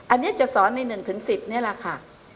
อันนี้จะสอนใน๑๑๐นี่แหละค่ะ